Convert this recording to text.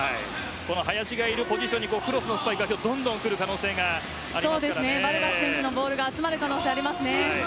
林がいるポジションにクロスのスパイクがどんどんくるバルガス選手のボールが集まる可能性ありますね。